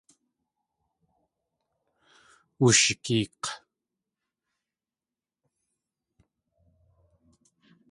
Wushig̲eek̲.